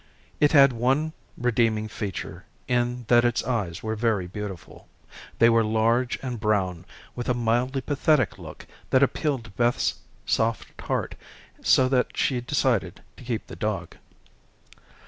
It had one redeeming feature in that its eyes were very beautiful. They were large and brown, with a mildly pathetic look that appealed to Beth's soft heart so that she decided to keep the dog.